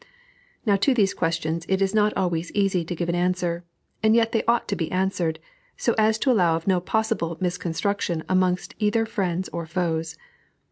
Now to these questions it is not always easy to give an answer, and yet they ought to be answered, so as to allow of no possible misconstruction amongst either friends or foes.